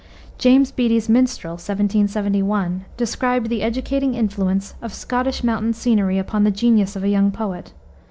James Beattie's Minstrel, 1771, described the educating influence of Scottish mountain scenery upon the genius of a young poet.